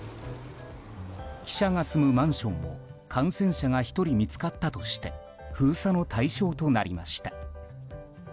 記者が住むマンションも感染者が１人見つかったとして封鎖の対象となりました。